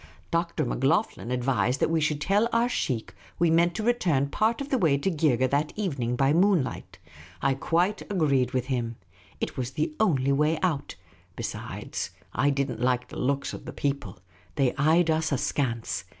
Dr. Macloghlen advised that we should tell our sheikh we meant to return part of the way to Geergeh that evening by moonlight. I quite agreed with him. It was the only way out. Besides, I did n't like the looks of the people. They eyed us askance.